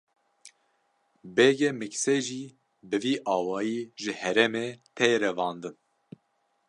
Begê Miksê jî bi vî awayî ji herêmê tê revandin.